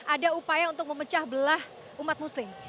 ada upaya untuk memecah belah umat muslim